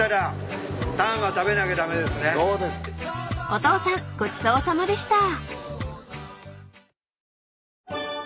［お父さんごちそうさまでした］